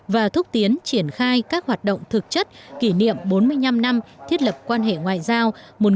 và thúc tiến triển khai các hoạt động thực chất kỷ niệm bốn mươi năm năm thiết lập quan hệ ngoại giao một nghìn chín trăm bảy mươi ba hai nghìn một mươi tám